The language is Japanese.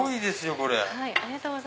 これ。